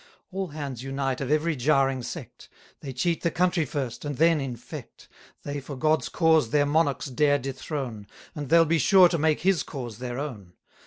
All hands unite of every jarring sect; They cheat the country first, and then infect. They for God's cause their monarchs dare dethrone, And they'll be sure to make his cause their own.